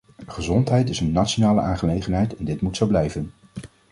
Gezondheid is een nationale aangelegenheid en dit moet zo blijven.